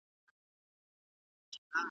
تاسو څنګه خپل وخت تنظيم کوئ؟